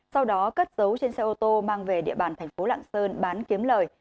sau đó cất dấu trên xe ô tô mang về địa bàn thành phố lạng sơn bán kiếm lời